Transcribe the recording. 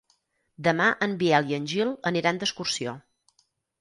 Demà en Biel i en Gil aniran d'excursió.